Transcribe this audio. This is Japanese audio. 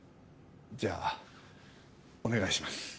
じゃあお願いします。